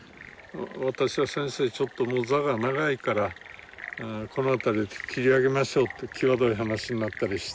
私は「先生ちょっともう座が長いからこの辺りで切り上げましょう」って際どい話になったりして。